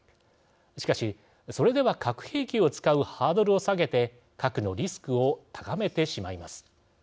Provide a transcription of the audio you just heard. しかし、それでは核兵器を使うハードルを下げて核のリスクを高めてしまいます。